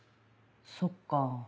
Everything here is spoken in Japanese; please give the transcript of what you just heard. そっか。